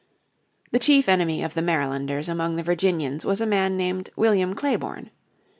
The chief enemy of the Marylanders among the Virginians was a man named William Clayborne.